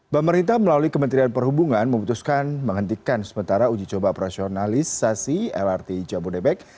pemerintah melalui kementerian perhubungan memutuskan menghentikan sementara uji coba operasionalisasi lrt jabodebek